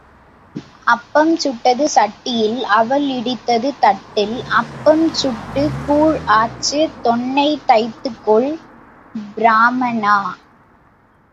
அப்பம் சுட்டது சட்டியில் அவல் இடித்தது திட்டையில் அப்பம் சுட்டுக் கூழ் ஆச்சு தொன்னை தைத்துக் கொள் பிராம்மணா.